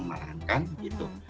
malah kan gitu